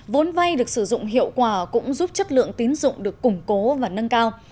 vốn vay được sử dụng hiệu quả cũng giúp chất lượng tín dụng được củng cố và nâng cao